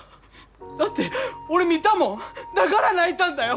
だって俺見たもんだから泣いたんだよ！